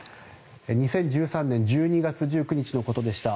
２０１３年１２月１９日のことでした。